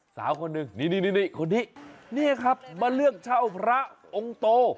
สาวคนหนึ่งนี่คนนี้นี่ครับมาเลือกเช่าพระองค์โต